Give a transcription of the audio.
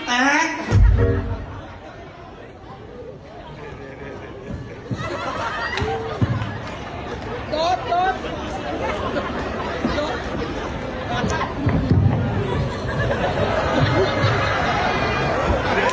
หัวหนิตำรวจ